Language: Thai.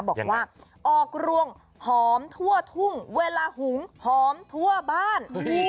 บอกว่าออกรวงหอมทั่วทุ่งเวลาหุงหอมทั่วบ้าน